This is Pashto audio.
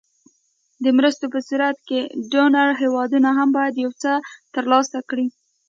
د مرستو په صورت کې ډونر هېوادونه هم باید یو څه تر لاسه کړي.